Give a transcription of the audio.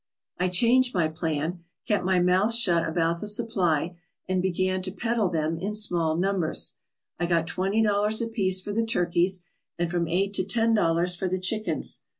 I changed my plan, kept my mouth shut about the supply, and began to peddle them out in small numbers. I got twenty dollars apiece for the turkeys and from eight to ten dollars for the chickens.